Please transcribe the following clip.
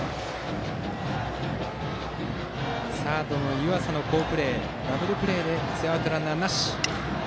サードの湯浅の好プレーダブルプレーでツーアウトランナーなし。